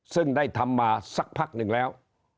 ซึ่งได้ทำมาสักพักหนึ่งแล้ว